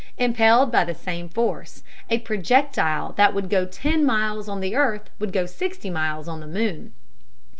Impelled by the same force, a projectile that would go ten miles on the earth would go sixty miles on the moon.